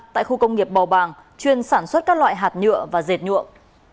tại khu công nghiệp bò bàng chuyên sản xuất các loại hạt nhựa và dệt nhuộm